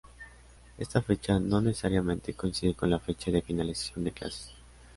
Esta fecha no necesariamente coincide con la fecha de finalización de clases.